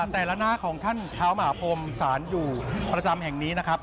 แต่ละหน้าของท่านเท้าหมาพรมสารอยู่ประจำแห่งนี้นะครับ